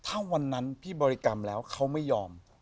ถ้าวันนั้นพี่บริกรรมแล้วเขาไม่ยอม